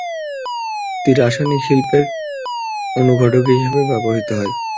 এটি রাসায়নিক শিল্পে অনুঘটক হিসেবে ব্যবহৃত হয়।